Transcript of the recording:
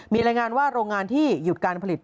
มีรายงานว่าโรงงานที่หยุดการผลิต